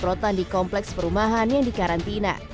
semprotan di kompleks perumahan yang dikarantina